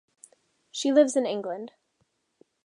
She lives in England.